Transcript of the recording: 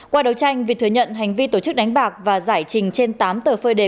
qua đấu tranh việt thừa nhận hành vi tổ chức đánh bạc và giải trình trên tám tờ phơi đề